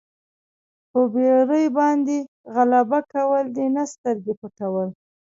پر بېرې باندې غلبه کول دي نه سترګې پټول.